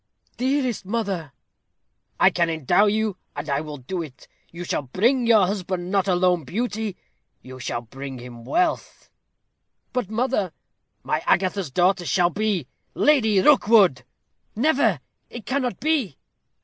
"Dearest mother!" "I can endow you, and I will do it. You shall bring your husband not alone beauty, you shall bring him wealth." "But, mother " "My Agatha's daughter shall be Lady Rookwood." "Never! It cannot be."